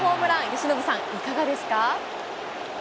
由伸さん、いかがですか？